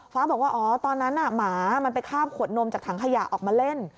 ฟ้าบอกว่าอ๋อตอนนั้นหมามันไปคาบขวดนมจากถังขยะออกมาเล่น